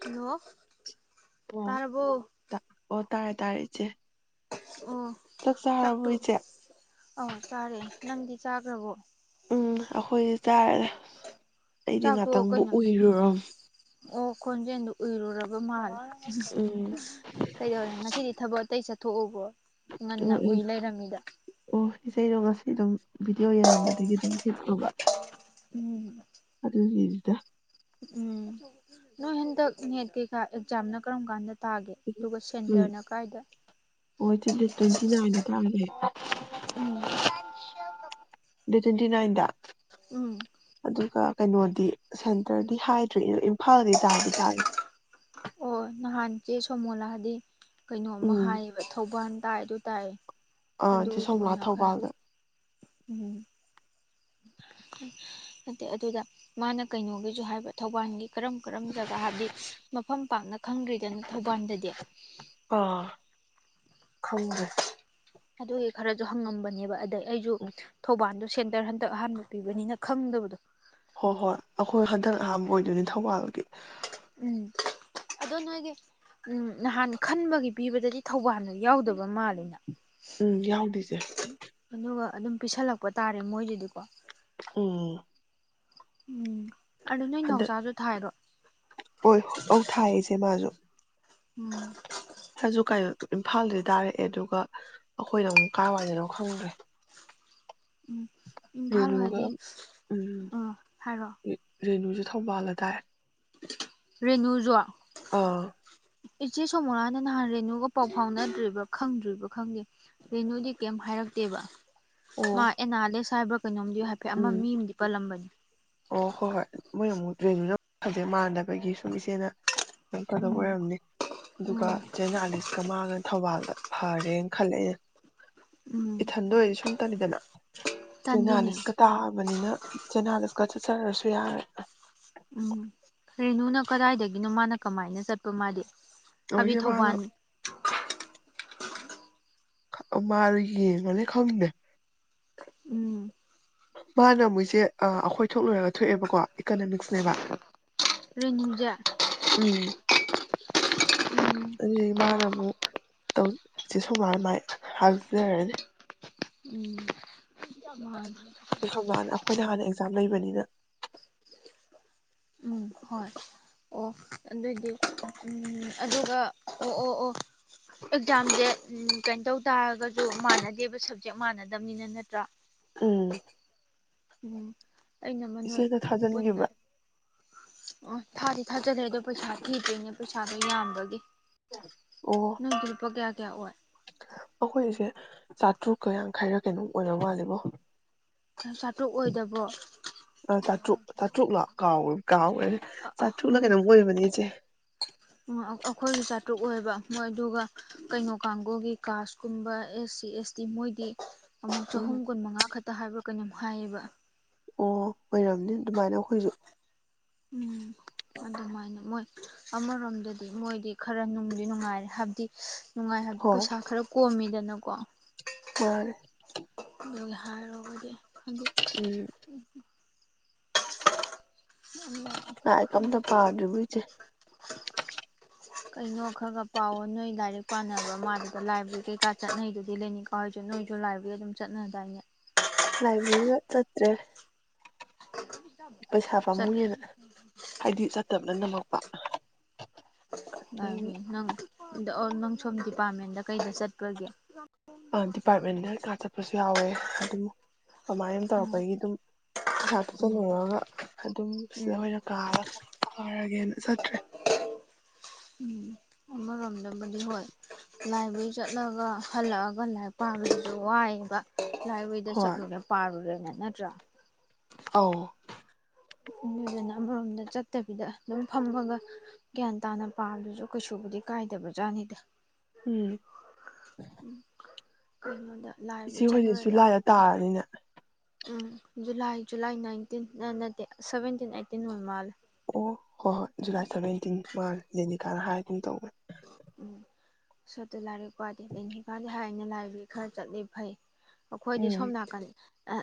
hello ꯑꯣ ꯇꯥꯔꯕꯣ ꯇꯥ ꯑꯣ ꯇꯥꯔꯦ ꯇꯥꯔꯦ ꯏꯆꯦ ꯆꯥꯛ ꯆꯥꯔꯕꯣ ꯏꯆꯦ ꯑ ꯆꯥꯔꯦ ꯅꯪꯗꯤ ꯆꯥꯈ꯭ꯔꯕꯣ ꯎꯝ ꯑꯩꯈꯣꯏꯗꯤ ꯆꯥꯔꯦꯗ ꯑꯩꯗꯤ ꯆꯥꯛꯇꯣ ꯉꯥꯛꯇꯪꯕꯨ ꯀꯩꯅꯣ ꯑꯣꯏꯔꯨꯔꯣꯝ ꯌꯌꯨꯔꯣꯞ [unintelligible] ꯀꯩꯗꯧꯔꯦ ꯉꯁꯤꯗꯤ ꯊꯕꯛ ꯑꯇꯩ ꯆꯠ ꯊꯣꯛꯑꯣꯕ ꯉꯟꯅ ꯎꯏ ꯂꯩꯔꯝꯃꯤꯗ ꯑꯩꯗꯣ ꯉꯁꯤ ꯑꯗꯨꯝ ꯚꯗꯤꯑꯣ ꯌꯦꯡꯉꯝꯕꯗꯒꯤ ꯑꯗꯨꯝ ꯍꯤꯄꯕ ꯎꯝ ꯑꯗꯨꯒꯤꯅꯤꯗ ꯎꯝ ꯅꯣꯏ ꯍꯟꯗꯛ ꯅꯦꯠ ꯀꯩꯀꯥ ꯑꯦꯛꯖꯥꯝꯅ ꯀꯔꯝ ꯀꯥꯟꯗ ꯇꯥꯒꯦ ꯑꯗꯨꯒ ꯎꯝ ꯁꯦꯟꯇꯔꯅ ꯀꯥꯏꯗ ꯍ ꯗꯦꯠ ꯇ꯭ꯋꯦꯟꯇꯤ ꯅꯥꯏꯟ ꯇꯗꯦ ꯎꯝ ꯗꯦꯠ ꯇ꯭ꯋꯦꯟꯇꯤ ꯅꯥꯏꯟꯗ ꯎꯝ ꯑꯗꯨꯒ ꯀꯩꯅꯣꯗꯤ ꯁꯦꯟꯇꯔꯗꯤ ꯍꯥꯏꯗ꯭ꯔꯤ ꯑ ꯏꯝꯐꯥꯜꯗꯤ ꯇꯥꯗꯤ ꯇꯥꯅꯤ ꯑꯣ ꯅꯍꯥꯟ ꯆꯦ ꯁꯣꯃꯣꯂꯥꯗꯤ ꯀꯩꯅꯣꯝꯃ ꯎꯝ ꯍꯥꯏꯌꯦꯕ ꯊꯧꯕꯥꯜ ꯇꯥꯏ ꯑꯗꯣ ꯇꯥꯏꯌꯦ ꯑ ꯑꯗꯨꯗꯤ ꯁꯣꯝꯂꯥ ꯊꯧꯕꯥꯜꯗ ꯎꯝ ꯑꯗ ꯑꯗꯨꯗ ꯃꯥꯅ ꯀꯩꯅꯣꯒꯤꯁꯨ ꯍꯥꯏꯕ ꯊꯧꯕꯥꯜꯒꯤ ꯀꯔꯝ ꯀꯔꯝ ꯖꯒꯥ ꯍꯥꯏꯕꯗꯤ ꯃꯐꯝ ꯄꯥꯡꯅ ꯈꯪꯗ꯭ꯔꯤꯗꯅ ꯊꯧꯕꯥꯜꯗꯗꯤ ꯑꯥ ꯈꯪꯗ꯭ꯔꯦ ꯑꯗꯨꯒꯤ ꯈꯔꯁꯨ ꯍꯪꯉꯝꯕꯅꯦꯕ ꯑꯗꯩ ꯑꯩꯁꯨ ꯊꯧꯕꯥꯜꯗꯨ ꯁꯦꯟꯇꯔ ꯍꯟꯗꯛ ꯑꯍꯥꯟꯕ ꯄꯤꯕꯅꯤꯅ ꯈꯪꯗꯕꯗꯣ ꯍꯣꯏ ꯍꯣꯏ ꯑꯩꯈꯣꯏ ꯍꯟꯗꯛ ꯑꯍꯥꯟꯕ ꯑꯣꯏꯗꯣꯏꯅꯤ ꯊꯧꯕꯥꯜꯒꯤ ꯎꯝ ꯑꯗꯣ ꯅꯣꯏꯒꯤ ꯎꯝ ꯅꯍꯥꯟ ꯈꯟꯕꯒꯤ ꯄꯤꯕꯗꯗꯤ ꯊꯧꯕꯥꯜꯗ ꯌꯥꯎꯗꯕ ꯃꯥꯜꯜꯂꯤꯅ ꯎꯝ ꯌꯥꯎꯗꯦ ꯏꯁꯦ ꯑꯗꯨꯒ ꯑꯗꯨꯝ ꯄꯤꯁꯜꯂꯛꯄ ꯇꯥꯔꯦ ꯃꯣꯏꯗꯨꯗꯤꯀꯣ ꯎꯝ ꯎꯝ ꯑꯗꯨ ꯅꯣꯏ ꯍꯟꯗꯛ ꯅꯥꯎꯆꯥꯁꯨ ꯊꯥꯏꯔꯣ ꯍꯣꯏ ꯑ ꯊꯥꯏꯌꯦ ꯏꯆꯦ ꯃꯥꯁꯨ ꯎꯝ ꯍꯧ ꯀ ꯏꯝꯐꯥꯜꯗ ꯇꯥꯔꯛꯑꯦ ꯑꯗꯨꯒ ꯑꯩꯈꯣꯏꯅ ꯑꯃꯨꯛ ꯀꯥꯏ ꯋꯥꯏꯗꯅꯣ ꯈꯪꯗ꯭ꯔꯦ ꯎꯝ ꯏꯝꯐꯥꯜ ꯔꯦꯅꯨꯒ ꯑꯣꯢꯔꯗꯤ ꯎꯝ ꯍꯥꯏꯔꯣ ꯔꯦꯅꯨꯁꯨ ꯊꯧꯕꯥꯜꯂ ꯇꯥꯏ ꯔꯦꯅꯨꯖꯨ ꯑꯥ ꯏꯆꯦ ꯁꯣ ꯃꯨꯔꯥꯅ ꯅꯍꯥꯟ ꯔꯦꯅꯨꯒ ꯄꯥꯎ ꯐꯥꯎꯅꯗ꯭ꯔꯤꯕ ꯈꯪꯗ꯭ꯔꯤꯕ ꯈꯪꯗꯦ ꯔꯦꯅꯨꯗꯤ ꯀꯩꯝ ꯍꯥꯏꯔꯛꯇꯦꯕ ꯑꯣ ꯃꯥ ꯑꯦꯅꯂꯤꯁ ꯁꯥꯏꯕꯛ ꯀꯩꯅꯣꯝꯗꯤ ꯍꯥꯏꯐꯦꯠ ꯑꯃ ꯎꯝ ꯃꯤ ꯑꯃꯗꯤ ꯄꯜꯂꯝꯕꯅꯤ ꯑꯣ ꯍꯣꯏ ꯍꯣꯏ ꯃꯣꯏ ꯑꯃꯨꯛ ꯇ꯭ꯔꯦꯟꯅꯤꯡ ꯑꯃꯨꯛ ꯐꯖꯩ ꯃꯥꯟꯅꯅꯕꯒꯤ ꯁꯨꯝ ꯏꯆꯦꯅ ꯐꯗꯕ ꯎꯝ ꯑꯣꯏꯔꯝꯅꯤ ꯑꯗꯨꯒ ꯎꯝ ꯆꯥꯏꯅꯥꯂꯤꯁꯀ ꯃꯥꯒꯅ ꯊꯧꯕꯥꯜ ꯐꯔꯦꯅ ꯈꯜꯂꯦ ꯑꯩꯅ ꯎꯝ ꯏꯊꯟꯗ ꯑꯣꯏꯔꯗꯤ ꯁꯨꯝ ꯇꯜꯂꯤꯗꯅ ꯇꯟꯗꯤꯅꯦ ꯆꯦꯅꯥꯂꯤꯁꯀ ꯇꯥꯕꯅꯤꯅ ꯆꯦꯅꯥꯂꯤꯁ ꯆꯠꯆꯔꯁꯨ ꯌꯥꯔꯦ ꯎꯝ ꯔꯦꯅꯨꯅ ꯀꯗꯥꯏꯗꯒꯤꯅꯣ ꯃꯥꯅ ꯀꯃꯥꯏꯅ ꯆꯠꯄ ꯃꯥꯗꯤ ꯑꯣ ꯍꯥꯏꯕꯗꯤ ꯏꯆꯦ ꯃꯥꯗꯣ ꯊꯧꯕꯥꯜ ꯃꯥꯔ ꯌꯦꯡꯉꯅꯤ ꯈꯪꯗꯦ ꯎꯝ ꯃꯥꯅ ꯑꯃꯨꯛ ꯏꯆꯦ ꯑ ꯑꯩꯈꯣꯏ ꯊꯣꯛ ꯂꯣꯏꯔꯒ ꯊꯣꯛꯑꯦꯕꯀꯣ ꯏꯀꯅꯃꯤꯛꯁꯅꯦꯕ ꯔꯦꯅꯨꯖꯦ ꯎꯝ ꯑꯗꯨꯒꯤ ꯃꯥꯅꯥ ꯑꯃꯨꯛ ꯇꯧ ꯆꯦ ꯁꯣꯃꯣꯂꯥ ꯃꯥꯏ ꯍꯥꯞꯆꯔꯅꯤ ꯎꯝ ꯃꯥꯅꯦ ꯆꯦ ꯁꯣꯃꯣꯂꯥ ꯑꯩꯈꯣꯏꯅ ꯍꯥꯟꯅ ꯑꯦꯛꯖꯥꯝ ꯂꯩꯕꯅꯤꯅ ꯎꯝ ꯍꯣꯏ ꯑꯣ ꯑꯗꯨꯏꯗꯤ ꯎꯝ ꯑꯗꯨꯒ ꯑꯣ ꯑꯣ ꯑꯣ ꯑꯦꯛꯖꯥꯝꯁꯦ ꯀꯩꯅꯣ ꯇꯧ ꯇꯥꯔꯒꯁꯨ ꯃꯥꯟꯅꯗꯦꯕ ꯁꯞꯖꯦꯛ ꯃꯥꯟꯅꯗꯕꯅꯤꯅ ꯅꯠꯇ꯭ꯔꯥ ꯎꯝ ꯎꯝ ꯑꯩꯅꯃ ꯅꯣꯏ ꯏꯆꯦꯗ ꯄꯨꯟꯅ ꯊꯥꯖꯤꯟꯈꯤꯕ꯭ꯔꯥ ꯑꯣ ꯊꯥꯗꯤ ꯊꯥꯖꯗ꯭ꯔꯦ ꯑꯗꯣ ꯄꯩꯁꯥ ꯊꯤꯗ꯭ꯔꯤꯅꯦ ꯄꯩꯁꯥꯗꯣ ꯌꯥꯝꯕꯒꯤ ꯅꯣꯏꯗꯤ ꯂꯨꯄꯥ ꯀꯌꯥ ꯀꯌꯥ ꯑꯣꯏ ꯑꯩꯈꯣꯏ ꯏꯆꯦ ꯆꯥꯇ꯭ꯔꯨꯛꯀ ꯌꯥꯡꯈꯩꯔ ꯀꯩꯅꯣꯝ ꯑꯣꯏꯕ ꯃꯥꯜꯂꯦꯕꯣ ꯆꯥꯊꯣꯛꯑꯣꯏꯗꯕꯣ ꯆꯥꯇ꯭ꯔꯛ ꯂꯥ ꯀꯥꯎ ꯀꯥꯎꯔꯦꯅꯦ ꯆꯥꯇ꯭ꯔꯨꯛꯂꯥ ꯀꯩꯅꯣꯝ ꯑꯣꯏꯕꯅꯦ ꯏꯆꯦ ꯑꯝ ꯑꯥ ꯑꯩꯈꯣꯏꯒꯤ ꯆꯥꯇ꯭ꯔꯨꯛ ꯑꯣꯏꯕ ꯃꯣꯏ ꯑꯗꯨꯒ ꯀꯩꯅꯣ ꯀꯥꯒꯨꯒꯤ ꯀꯥꯁꯀꯨꯝꯕ ꯑꯦꯁ ꯁꯤ ꯑꯦꯁ ꯇꯤ ꯃꯣꯏꯗꯤ ꯑꯃꯨꯛ ꯎꯝ ꯆꯍꯨꯝ ꯀꯨꯟꯃꯉꯥ ꯈꯛ ꯇ ꯍꯥꯏꯕ꯭ꯔ ꯀꯩꯅꯣꯝ ꯍꯥꯏꯌꯦꯕ ꯑꯣ ꯑꯣꯏꯔꯝꯅꯤ ꯑꯗꯨꯃꯥꯏꯅ ꯑꯩꯈꯣꯏꯁꯨ ꯎꯝ ꯑꯗꯨꯃꯥꯏꯅ ꯃꯣꯏ ꯑꯃꯔꯣꯝꯗꯗꯤ ꯃꯣꯏꯗꯤ ꯈꯔ ꯅꯨꯡꯗꯤ ꯅꯨꯡꯉꯥꯏꯔꯦ ꯍꯥꯏꯕꯗꯤ ꯅꯨꯡꯉꯥꯏ ꯍꯥꯏꯕ ꯍꯣꯏ ꯄꯩꯁꯥ ꯈꯔ ꯀꯣꯝꯃꯤ ꯗꯅꯥ ꯀꯣ ꯃꯥꯅꯦ ꯑꯥꯗꯨꯏ ꯍꯥꯏꯔꯨꯔꯒꯗꯤ ꯐꯂ ꯎꯝ ꯎ ꯑꯃ ꯂꯥꯏꯔꯤꯛ ꯈꯪꯗꯦ ꯑꯝꯇ ꯄꯥꯗ꯭ꯔꯤꯕꯣ ꯏꯆꯦ ꯀꯩꯅꯣ ꯈꯔ ꯈꯔ ꯄꯥꯎ ꯅꯣꯏ ꯂꯥꯏꯔꯤꯛ ꯄꯥꯅꯕ ꯃꯥꯗꯨꯗ ꯂꯥꯏꯕ꯭ꯔꯦꯔꯤ ꯀꯩꯀꯥ ꯆꯠꯅꯩꯗꯨꯗꯤ ꯂꯦꯅꯤꯀꯥ ꯍꯣꯏꯁꯨ ꯅꯣꯏꯁꯨ ꯂꯥꯏꯕ꯭ꯔꯦꯔꯤ ꯑꯗꯨꯝ ꯆꯠꯅꯗꯥꯏꯅꯦ ꯂꯥꯏꯕꯦꯔꯤꯗ ꯆꯠꯇ꯭ꯔꯦ ꯄꯩꯁꯥ ꯆꯠ ꯅꯪꯅ ꯃꯧꯎꯄꯥ ꯃꯥꯅꯤ ꯅꯪ ꯑ ꯅꯣ ꯁꯣꯝ ꯗꯤꯄꯥꯔꯠꯃꯦꯟꯗ ꯀꯩꯗ ꯆꯠꯄꯒꯤ ꯑ ꯗꯤꯄꯥꯔꯠꯃꯦꯟꯗ ꯑ ꯆꯠꯄꯁꯨ ꯌꯥꯎꯋꯦ ꯑꯗꯨꯝ ꯀꯃꯥꯏꯅ ꯑꯗꯨ ꯎꯝ ꯇꯧꯔꯛꯄꯒꯤ ꯑꯗꯨꯝ ꯄꯩꯁꯥ ꯎꯝ ꯊꯤꯖꯤꯜꯂꯨꯔꯒ ꯑꯗꯨꯝ ꯁꯤꯗ ꯑꯣꯏꯅ ꯀꯥꯔꯒ ꯄꯔꯒꯦꯅ ꯆꯠꯇ꯭ꯔꯦ ꯎꯝ ꯑꯃꯔꯣꯝꯗꯕꯨꯗꯤ ꯍꯣꯏ ꯂꯥꯏꯕꯦꯔꯤ ꯆꯠꯂꯒ ꯍꯜꯂꯛꯑꯒ ꯂꯥꯏꯔꯤꯛ ꯄꯥꯕꯁꯤꯁꯨ ꯋꯥꯏꯑꯕ ꯂꯥꯢꯕ꯭ꯔꯦꯔꯤꯗ ꯍꯣꯏ ꯆꯠꯂꯨꯔꯦ ꯄꯥꯔꯨꯔꯦ ꯅꯠ ꯅꯠꯇ꯭ꯔꯥ ꯑꯧ ꯑꯗꯨꯗꯨꯅ ꯑꯃꯔꯣꯝꯗ ꯆꯠꯇꯕꯤꯗ ꯑꯗꯨꯝ ꯐꯝꯃꯒ ꯒ꯭ꯌꯥꯟ ꯇꯥꯅ ꯄꯥꯕꯗꯨꯁꯨ ꯀꯩꯁꯨꯕꯨꯗꯤ ꯀꯥꯏꯗꯕꯖꯥꯠꯅꯤꯗ ꯎꯝ ꯀꯩꯅꯣꯅꯦ ꯏꯆꯦ ꯍꯣꯏꯗꯨꯁꯨ ꯖꯨꯂꯥꯏꯗ ꯇꯥꯔꯅꯤꯅꯦ ꯎꯝ ꯖꯨꯂꯥꯏ ꯖꯨꯂꯥꯏ ꯅꯥꯏꯟꯇꯤꯟ ꯅꯠꯇꯦ ꯁꯚꯦꯟꯇꯤꯟ ꯑꯠꯇꯤꯟ ꯑꯣꯏ ꯃꯥꯜꯂꯦ ꯑꯣ ꯍꯣꯏ ꯍꯣꯏ ꯖꯨꯂꯥꯏ ꯁꯚꯦꯟꯇꯤꯟ ꯃꯥ ꯖꯦꯅꯤꯀꯥꯅ ꯍꯥꯏ ꯒꯨꯝꯇꯧꯕꯅꯦ ꯎꯝ ꯁꯠꯇꯨ ꯂꯥꯏꯔꯤꯛ ꯄꯥꯗꯦ ꯅꯡꯗꯤ ꯍꯥꯢꯅ ꯍꯥꯏꯅ ꯂꯥꯏꯕ꯭ꯔꯦꯔꯤ ꯈꯔ ꯆꯠꯂꯤ ꯐꯩ ꯑꯩꯈꯣꯏꯗꯤ ꯁꯣꯝ ꯎꯝ ꯅꯥꯀꯟ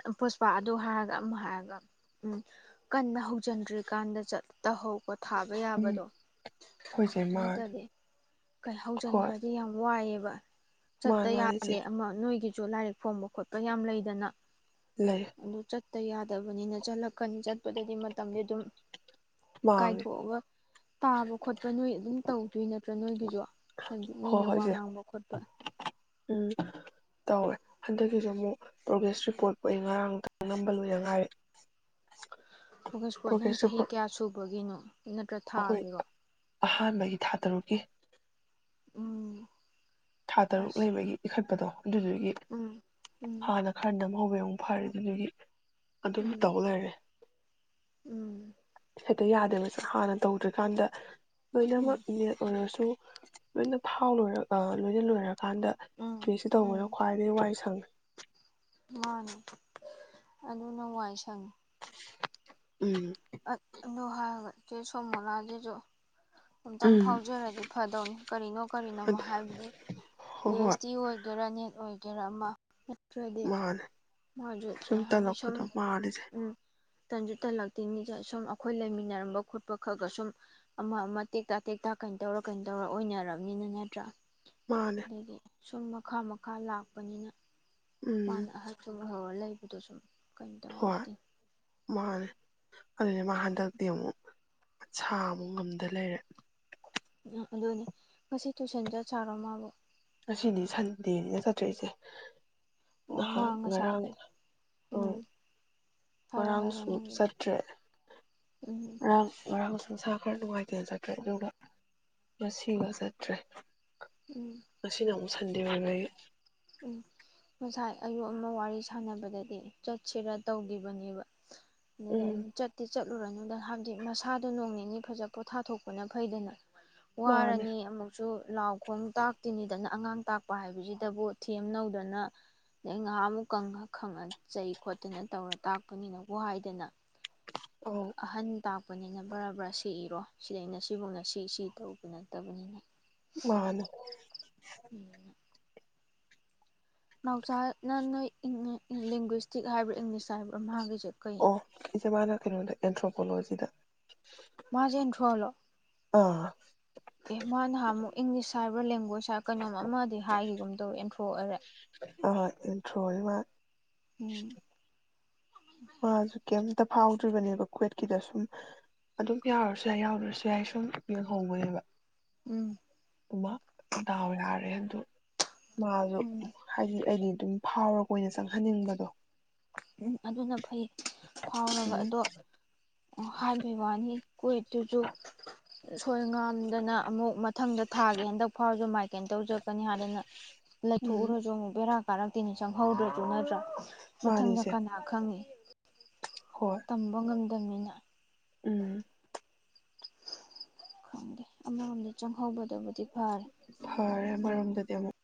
ꯑ ꯄꯨꯁꯄꯥ ꯑꯗꯨ ꯍꯥꯏꯔꯒ ꯑꯃꯨꯛ ꯍꯥꯏꯔꯒ ꯎꯝ ꯀꯟꯅ ꯍꯧꯖꯤꯟꯗ꯭ꯔꯤꯀꯥꯟꯗ ꯆꯠ ꯇꯍꯧꯕ ꯊꯥꯕ ꯎꯝ ꯌꯥꯕꯗꯣ ꯍꯣꯏ ꯆꯦ ꯃꯥꯅꯦ ꯅꯠꯇꯗꯤ ꯀꯩ ꯍꯣꯏ ꯍꯧꯖꯤꯟꯈ꯭ꯔꯗꯤ ꯌꯥꯝ ꯋꯥꯏꯑꯌꯦꯕ ꯆꯠꯇ ꯃꯥꯅꯦ ꯃꯥꯅꯦ ꯏꯆꯦ ꯌꯥꯗꯦ ꯑꯃ ꯅꯣꯏꯒꯤ ꯁꯨ ꯂꯥꯏꯔꯤꯛ ꯐꯣꯡꯕ ꯈꯣꯠꯄ ꯌꯥꯝ ꯂꯩꯗꯅ ꯂꯩ ꯑꯗꯨ ꯆꯠ ꯇ ꯌꯥꯗꯕꯅꯤꯅ ꯆꯠꯂꯛꯀꯅꯤ ꯆꯠꯄꯗꯗꯤ ꯃꯇꯝꯗꯤ ꯑꯗꯨꯝ ꯃꯥꯡꯉꯦ ꯀꯥꯏꯊꯣꯛꯑꯒ ꯇꯥꯕ ꯈꯣꯠꯄ ꯅꯣꯏ ꯑꯗꯨꯝ ꯇꯧꯗꯣꯏ ꯅꯠ ꯅꯠꯇ꯭ꯔ ꯅꯣꯏꯒꯤꯁꯨ ꯍꯥꯏꯗꯤ ꯍꯣꯏ ꯃꯤꯅ ꯍꯣꯏ ꯋꯥ ꯏꯆꯦ ꯉꯥꯡꯕ ꯈꯣꯠꯄ ꯇꯧꯋꯦ ꯍꯟꯗꯛꯀꯤꯁꯨ ꯑꯃꯨꯛ ꯄ꯭ꯔꯣꯒ꯭ꯔꯦꯁ ꯔꯤꯄꯣꯔꯠꯄꯨ ꯑꯩ ꯉꯔꯥꯡ ꯅꯨꯝꯗꯥꯡ ꯅꯝꯕ ꯂꯣꯏꯗ ꯉꯥꯏꯔꯤ ꯄ꯭ꯔꯣꯒꯦꯁ ꯔꯤꯄꯣꯔ꯭ꯠ ꯅꯪ ꯄ꯭ꯔꯣꯒ꯭ꯔꯦꯁ ꯆꯍꯤ ꯔꯤꯄꯣꯔꯠ ꯀꯌꯥꯁꯨ ꯑꯣꯏꯒꯤꯅꯣ ꯅꯠꯇ꯭ꯔ ꯑꯩꯈꯣꯏ ꯊꯥꯒꯤꯔꯣ ꯑꯍꯥꯟꯕꯒꯤ ꯊꯥ ꯇꯔꯨꯛꯀꯤ ꯎꯝ ꯊꯥ ꯇꯔꯨꯛ ꯑꯁ ꯂꯩꯕꯒꯤ ꯏꯈꯠ ꯀꯗꯣ ꯑꯗꯨꯗꯨꯒꯤ ꯎꯝ ꯎꯝ ꯍꯥꯟꯅ ꯈꯔꯅꯝ ꯉꯥꯎꯕ ꯑꯃꯨꯛ ꯐꯥꯔꯦ ꯑꯗꯨꯗꯤ ꯑꯗꯨꯝ ꯎꯝ ꯇꯧ ꯂꯩꯔꯦ ꯎꯝ ꯍꯦꯛꯇ ꯌꯥꯗꯦꯕ ꯍꯥꯟꯅ ꯇꯧꯗ꯭ꯔꯤꯀꯥꯟꯗ ꯎꯝ ꯂꯣꯏꯅꯃꯛ ꯅꯦꯠ ꯑꯣꯏꯔꯁꯨ ꯂꯣꯏꯅ ꯐꯥꯎ ꯂꯣꯏꯔꯒꯥ ꯂꯣꯏꯅ ꯂꯣꯏꯔꯀꯥꯟꯗ ꯎꯝ ꯃꯤꯁꯤ ꯇꯧꯕꯗꯣ ꯎꯝ ꯈ꯭ꯋꯥꯏꯗꯒꯤ ꯋꯥꯏ ꯁꯪꯉꯦ ꯃꯥꯅꯦ ꯑꯗꯨꯅ ꯋꯥꯏ ꯁꯪꯉꯤ ꯎꯝ ꯑꯠ ꯑꯗꯨ ꯍꯥꯏꯔꯒꯥ ꯆꯦ ꯁꯣꯃꯣꯂꯥ ꯒꯤꯖꯨ ꯑꯝꯇꯪ ꯎꯝ ꯐꯥꯎꯖꯔꯗꯤ ꯐꯗꯧꯅꯤ ꯀꯔꯤꯅꯣ ꯀꯔꯤꯅꯣꯝꯃꯥ ꯑꯗꯨ ꯍꯥꯏꯕꯗꯤ ꯄꯤ ꯍꯣꯏ ꯍꯣꯏ ꯍꯩꯆ ꯗꯤ ꯑꯣꯏꯒꯦꯔꯥꯅꯦ ꯅꯤꯠ ꯑꯣꯏꯒꯦꯔꯥ ꯑꯃ ꯃꯥꯅꯦ ꯃꯥꯗꯣ ꯁꯨꯝ ꯍꯥꯏꯗꯤ ꯁꯨꯝ ꯇꯜꯂꯛꯄꯗꯣ ꯃꯥꯜꯂꯤꯁꯦ ꯎꯝ ꯇꯟꯖꯨ ꯇꯟꯂꯛꯇꯤꯅꯤ ꯁꯨꯝ ꯑꯩꯈꯣꯏ ꯂꯩꯃꯤꯟꯅꯔꯝꯕ ꯈꯣꯠꯄ ꯈꯒ ꯁꯨꯝ ꯑꯃ ꯑꯃ ꯇꯦꯛꯇ ꯇꯦꯛꯇ ꯀꯩꯅꯣ ꯇꯧꯔ ꯀꯩꯅꯣ ꯇꯧꯔ ꯑꯣꯏꯅꯔꯕꯅꯤꯅ ꯅꯠꯇ꯭ꯔꯥ ꯃꯥꯅꯦ ꯑꯗꯒꯤ ꯁꯨꯝ ꯃꯈꯥ ꯃꯈꯥ ꯂꯥꯛꯄꯅꯤꯅ ꯎꯝ ꯃꯥꯅ ꯑꯍꯟꯁꯨ ꯍꯧꯔ ꯂꯩꯥꯕꯗꯨꯁꯨ ꯀꯩꯝ ꯍꯣꯏ ꯇꯧꯔꯛꯇꯦ ꯃꯥꯅꯦ ꯑꯗꯨꯅꯦ ꯃꯥ ꯍꯟꯗꯛꯇꯤ ꯑꯃꯨꯛ ꯃꯁꯥ ꯑꯃꯨꯛ ꯉꯝꯗ ꯂꯩꯔꯦ ꯑꯗꯨꯅꯦ ꯉꯁꯤ ꯇꯨꯏꯁꯟ ꯆꯠ ꯆꯥꯔꯣ ꯃꯥꯕꯣ ꯉꯁꯤꯗꯤ ꯁꯟꯗꯦꯅꯤꯅ ꯆꯠꯇ꯭ꯔꯦ ꯏꯆꯦ ꯑꯣ ꯃꯥ ꯅꯍꯥꯟ ꯉꯁꯥꯏ ꯉꯔꯥꯡꯅꯦ ꯎꯝ ꯍꯥꯏꯔꯣ ꯉꯔꯥꯡ ꯍꯥꯏꯔꯣ ꯁ꯭ꯀꯨꯜ ꯅꯪꯒꯤ ꯆꯠꯇ꯭ꯔꯦ ꯎꯝ ꯉꯔꯥꯡ ꯉꯔꯥꯡꯁꯨ ꯃꯁꯥ ꯈꯔ ꯅꯨꯡꯉꯥꯏꯇꯅ ꯆꯠꯇ꯭ꯔꯦ ꯑꯗꯨꯒ ꯉꯁꯤꯒ ꯆꯠꯇ꯭ꯔꯦ ꯎꯝ ꯉꯁꯤꯅ ꯑꯃꯨꯛ ꯁꯟꯗꯦ ꯑꯣꯏꯕꯒꯤ ꯎꯝ ꯉꯁꯥꯏ ꯑꯌꯨꯛ ꯑꯃ ꯋꯥꯔꯤ ꯁꯥꯟꯅꯕꯗꯗꯤ ꯆꯠꯁꯤꯔ ꯇꯧꯈꯤꯕꯅꯦꯕ ꯎꯝ ꯆꯠꯇꯤ ꯆꯠ ꯆꯠꯂꯨꯔꯅꯨꯗ ꯍꯥꯏꯗꯤ ꯃꯁꯥꯗꯣ ꯅꯣꯡ ꯅꯤꯅꯤ ꯐꯖ ꯄꯣꯊꯥꯊꯣꯛꯄꯅ ꯐꯩꯗꯅ ꯃꯥꯅꯦ ꯋꯥꯔꯅꯤ ꯑꯃꯨꯛꯁꯨ ꯂꯥꯎ ꯈꯣꯡ ꯇꯥꯛꯇꯤꯅꯤꯗꯅ ꯑꯉꯥꯡ ꯇꯥꯛꯄ ꯍꯥꯏꯕꯁꯤꯗꯕꯨ ꯊꯦꯝꯅꯧꯗꯅ ꯑꯗꯩ ꯉꯥꯏꯍꯥꯛꯃꯨꯛ ꯀꯪꯉ ꯈꯪꯉ ꯆꯩ ꯈꯣꯠꯇꯅ ꯇꯧꯔ ꯇꯥꯛꯄꯅꯤꯅꯕꯨ ꯍꯥꯏꯗꯅ ꯑꯧ ꯑꯍꯟ ꯇꯥꯛꯄꯅꯤꯅ ꯕꯔꯥ ꯕꯔꯥ ꯁꯤ ꯏꯔꯣ ꯁꯤꯗ ꯑꯩꯅ ꯁꯤꯐꯧꯅ ꯁꯤ ꯁꯤ ꯇꯧꯕ ꯅꯠꯇꯕꯅꯤꯅ ꯃꯥꯅꯦ ꯎꯝ ꯅꯧꯆꯥ ꯅ ꯅꯣꯏ ꯏꯪꯂꯤ ꯂꯦꯡꯒ꯭ꯨꯁꯇꯤꯛ ꯍꯥꯏꯕ꯭ꯔꯥ ꯏꯪꯂꯤꯁ ꯍꯥꯏꯕ꯭ꯔꯥ ꯃꯥꯒꯤ ꯑꯣ ꯏꯆꯦ ꯃꯥꯅ ꯀꯩꯅꯣꯗ ꯑꯦꯟꯊ꯭ꯔꯣ ꯀꯣꯂꯣꯁꯤꯗ ꯐꯣꯂꯣ ꯑꯥ ꯀꯦꯝ ꯃꯥ ꯅꯍꯥꯃꯨꯛ ꯏꯪꯂꯤꯁ ꯁꯥꯏꯕꯔ ꯂꯦꯡꯒ꯭ꯨꯋꯖ ꯀꯩꯅꯣꯝ ꯑꯃꯗꯤ ꯍꯥꯏꯈꯤ ꯀꯨꯝ ꯇꯧꯔ ꯑꯦꯟꯊ꯭ꯔꯣ ꯑꯣꯢꯔꯦ ꯍꯣ ꯍꯣꯢ ꯑꯦꯟꯊ꯭ꯔꯣꯅꯤ ꯃꯥ ꯎꯝ ꯃꯥꯁꯨ ꯀꯦꯝ ꯇ ꯐꯥꯎꯗ꯭ꯔꯤꯕꯅꯦꯕ ꯀꯋꯦꯠꯀꯤꯗ ꯁꯨꯝ ꯑꯗꯨꯝ ꯌꯥꯎꯔꯁꯨ ꯌꯥꯏ ꯌꯥꯎꯗ꯭ꯔꯁꯨ ꯌꯥꯏ ꯁꯨꯝ ꯌꯦꯡꯍꯧꯕꯅꯦꯕ ꯎꯝ ꯏꯃꯥ ꯗꯥꯎ ꯌꯥꯔꯦ ꯑꯗꯨ ꯃꯥꯁꯨ ꯎꯝ ꯍꯥꯏꯗꯤ ꯑꯩꯗꯤ ꯑꯗꯨꯝ ꯐꯥꯎꯔ ꯀꯣꯏ ꯑꯣꯏꯅ ꯆꯪꯍꯟꯅꯤꯡꯕꯗꯣ ꯎꯝ ꯑꯗꯨꯅ ꯐꯩ ꯐꯥꯎꯒ ꯎꯝ ꯑꯗꯣ ꯍꯥꯏꯕ ꯋꯥꯅꯤ ꯀꯣꯏꯠꯇꯨꯁꯨ ꯊꯣꯏ ꯉꯥꯝꯗꯅ ꯑꯃꯨꯛ ꯃꯊꯪꯗ ꯊꯥꯒꯦ ꯍꯟꯗꯛ ꯐꯥꯎꯁꯨ ꯃꯥꯏ ꯀꯩꯅꯣ ꯇꯧꯖꯔꯛꯄꯅꯤ ꯍꯥꯏꯥꯅꯗꯩꯅ ꯂꯩꯊꯣꯛ ꯎꯝ ꯎꯔꯖꯣ ꯑꯃꯨꯛ ꯕꯦꯔꯥ ꯄꯥꯔꯛꯇꯤꯅꯤ ꯆꯪꯍꯧꯗ꯭ꯔꯁꯨ ꯅꯠꯇ꯭ꯔꯥ ꯃꯊꯪꯗ ꯃꯥꯅꯤꯁꯦ ꯀꯅꯥ ꯈꯪꯅꯤ ꯍꯣꯏ ꯇꯝꯕ ꯉꯝ ꯀꯃꯅꯤꯅ ꯎꯝ ꯈꯪꯗꯦ ꯑꯃꯔꯣꯝꯗ ꯆꯪꯍꯧꯕꯗꯕꯨꯗꯤ ꯐꯔꯦ ꯐꯔꯦ ꯑꯗꯣ ꯑꯃꯔꯣꯝꯗꯗꯤ ꯑꯃꯨꯛ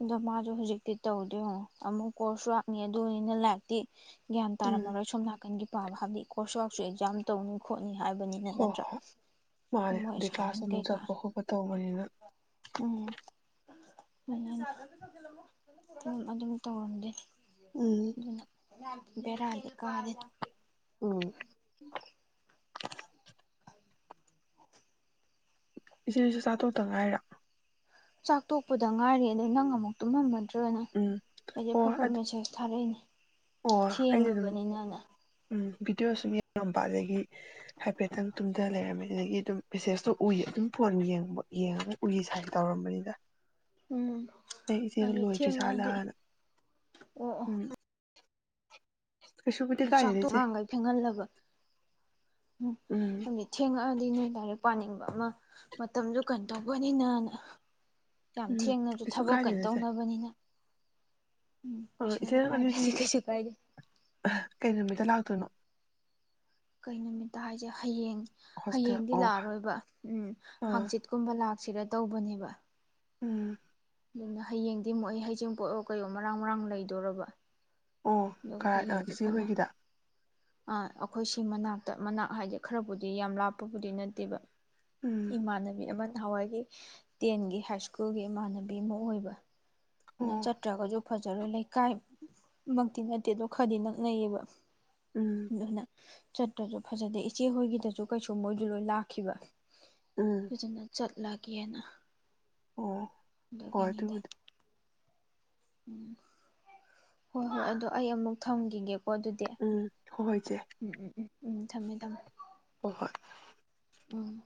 ꯎꯝ ꯑꯗꯣ ꯃꯥꯁꯨ ꯍꯧꯖꯤꯛꯇꯤ ꯇꯧꯗꯦ ꯌꯦꯒꯣ ꯑꯃꯨꯛ ꯀꯣꯔꯁ ꯋꯥꯥꯛꯅꯤ ꯑꯗꯨꯅꯤꯅ ꯂꯥꯏꯛꯇꯤ ꯒ꯭ꯌꯥꯟ ꯎꯝ ꯇꯥꯔꯝꯃꯔꯣꯏ ꯁꯣꯝ ꯅꯥꯀꯟꯒꯤ ꯇꯥꯎ ꯍꯥꯞꯅꯤ ꯀꯣꯔꯁ ꯋꯥꯛꯁꯨ ꯑꯦꯛꯖꯥꯝ ꯇꯧꯅꯤ ꯈꯣꯡ ꯍꯣꯏ ꯍꯣꯏ ꯃꯥꯅꯦ ꯃꯣꯏ ꯑꯗꯩ ꯑꯦꯁꯥꯏꯟꯃꯦꯟ ꯀ꯭ꯂꯥꯁ ꯑꯃꯨꯛ ꯆꯠꯄ ꯈꯣꯠꯄ ꯇꯧꯕꯅꯤꯅ ꯎꯝꯝ ꯑꯗꯨꯝ ꯇꯧꯔꯝꯗꯦ ꯎꯝ ꯑꯗꯨꯅ ꯕꯔꯥꯗꯤ ꯀꯥꯔꯦ ꯎ ꯎꯝ ꯏꯆꯦꯁꯨ ꯆꯥ ꯊꯣꯛꯇ ꯉꯥꯏꯔꯣ ꯆꯥꯛ ꯇꯣꯛꯄꯗ ꯉꯥꯏꯔꯦ ꯑꯗꯩ ꯅꯪ ꯑꯃꯨꯛ ꯇꯨꯝꯃꯝꯝ ꯅꯠꯇ꯭ꯔꯒꯅ ꯎꯝ ꯑꯩꯁꯦ ꯑꯣ ꯐꯠ ꯐꯠ ꯃꯦꯁꯦꯁ ꯊꯥꯔꯛꯏꯅꯦ ꯑꯣ ꯊꯦꯡꯉꯕꯅꯤꯅꯅ ꯕꯤꯗꯤꯑꯣ ꯁꯨꯝ ꯌꯦꯡꯉꯝꯕ ꯑꯗꯒꯤ ꯍꯥꯏꯐꯦꯠꯇꯪ ꯇꯨꯝꯗ ꯂꯩꯔꯝꯃꯤ ꯑꯗꯨꯗꯒꯤ ꯑꯗꯨꯝ ꯃꯦꯁꯦꯁꯇꯣ ꯎꯏ ꯑꯗꯨꯝ ꯐꯣꯟ ꯌꯦꯡꯕ ꯌꯦꯡꯉꯒ ꯎꯔꯤ ꯁꯥꯏ ꯇꯧꯔꯝꯕꯅꯤꯗ ꯎꯝ ꯑꯩ ꯏꯆꯦꯗꯣ ꯍꯥꯏꯗꯤ ꯂꯣꯏꯗ꯭ꯔꯤ ꯊꯦꯡꯉꯛꯑꯗꯤ ꯁꯥꯥꯠꯂꯅ ꯎꯝ ꯀꯩꯁꯨꯕꯨꯗꯤ ꯆꯥꯛ ꯀꯥꯏꯗꯦꯗ ꯇꯣ ꯏꯆꯦ ꯑꯉꯥꯡꯈꯩ ꯐꯦꯡꯍꯜꯂꯕ ꯎꯝ ꯍꯥꯏꯗꯤ ꯊꯦꯡꯉꯛꯑꯗꯤ ꯅꯣꯏ ꯂꯥꯢꯔꯤꯛ ꯄꯥꯅꯤꯡ ꯑꯃ ꯃꯇꯝꯗꯨ ꯀꯩꯅ ꯇꯧꯕꯅꯤꯅ ꯌꯥꯝ ꯎꯝ ꯊꯦꯡꯅꯁꯨ ꯀꯩꯁꯨ ꯊꯕꯛ ꯀꯩꯅ ꯇꯧꯅꯕꯅꯤꯅ ꯎꯝ ꯑꯣ ꯀꯩꯁꯨ ꯏꯆꯦ ꯅꯪ ꯑꯗꯨꯗꯤ ꯀꯥꯏꯗ꯭ꯔꯗꯤ ꯀꯩꯁꯨ ꯀꯥꯏꯗꯦ ꯀꯩ ꯅꯨꯃꯤꯠꯇ ꯂꯥꯛꯇꯣꯏꯅꯣ ꯀꯩ ꯅꯨꯃꯤꯠꯇ ꯍꯥꯏꯁꯦ ꯍꯌꯦꯡ ꯍꯣꯁꯇꯦꯜ ꯍꯌꯦꯡꯗꯤ ꯑꯣ ꯂꯥꯛꯑꯔꯣꯏꯕ ꯎꯝ ꯑꯥ ꯍꯥꯡꯆꯤꯠꯀꯨꯝꯕ ꯂꯥꯛ ꯁꯤꯔ ꯇꯧꯕꯅꯦꯕ ꯎꯝ ꯑꯗꯨꯅ ꯍꯌꯦꯡꯗꯤ ꯑꯃꯨꯛ ꯑꯩ ꯍꯖꯤꯡ ꯄꯣꯛꯠꯂꯣ ꯀꯩꯣ ꯃꯔꯥꯡ ꯃꯔꯥꯡ ꯂꯩꯗꯣꯔꯔꯕ ꯑꯣ ꯀ ꯏꯆꯦꯍꯣꯏꯒꯤꯗ ꯑꯥ ꯑꯩꯈꯣꯏ ꯁꯤ ꯃꯅꯥꯛꯇ ꯃꯅꯥꯛ ꯍꯥꯏꯗꯤ ꯈꯔꯕꯨꯗꯤ ꯌꯥꯝ ꯂꯥꯞꯄꯕꯨꯗꯤ ꯅꯠꯇꯦꯕ ꯎꯝ ꯏꯃꯥꯟꯅꯕꯤ ꯑꯃꯅ ꯅꯍꯥꯟꯋꯥꯏꯒꯤ ꯇꯦꯟꯒꯤ ꯍꯥꯏ ꯁ꯭ꯀꯨꯜꯒꯤ ꯏꯃꯥꯟꯅꯕꯤ ꯑꯃ ꯑꯣꯏꯕ ꯑꯣ ꯆꯠ꯭ꯇꯔꯥꯒꯁꯨ ꯐꯖꯔꯣꯏ ꯂꯩꯀꯥꯏꯃꯛꯇꯤ ꯅꯠꯇꯦ ꯑꯗ ꯈꯔꯗꯤ ꯅꯛꯅꯩꯌꯦꯕ ꯎꯝ ꯑꯗꯨꯅ ꯆꯠꯇꯄꯁꯨ ꯐꯖꯗꯦ ꯏꯆꯦ ꯍꯣꯏꯒꯤꯗꯁꯨ ꯀꯩꯁꯨ ꯃꯣꯏꯗꯨ ꯂꯣꯏ ꯂꯥꯛꯈꯤꯕ ꯎꯝ ꯀꯖꯤꯅ ꯆꯠ ꯂꯥ ꯀꯦꯅ ꯑꯣ ꯍꯣꯏ ꯑꯗꯨꯒꯤꯅꯤꯗ ꯑꯗꯨꯕꯨꯗꯤ ꯎꯝ ꯍꯣꯏ ꯍꯣꯏ ꯑꯗꯣ ꯑꯩ ꯑꯃꯨꯛ ꯊꯝꯒꯤꯒꯦ ꯎꯝ ꯍꯣꯏ ꯍꯣꯢ ꯆꯦ ꯎꯝ ꯎꯝ ꯎꯝ ꯊꯝꯃꯦ ꯊꯝꯃꯦ ꯍꯣ ꯍꯣꯏ ꯎꯝ